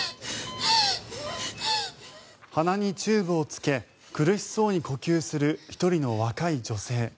鼻にチューブをつけ苦しそうに呼吸する１人の若い女性。